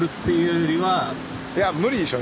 いや無理でしょ。